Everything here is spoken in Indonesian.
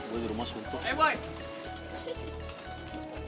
gua di rumah suntuk